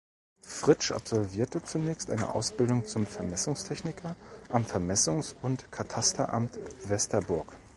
Fritsch absolvierte zunächst eine Ausbildung zum Vermessungstechniker am Vermessungs- und Katasteramt Westerburg.